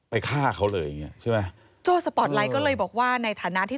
ไปค้าเขาเลยอย่างเงี้ยใช่ไหม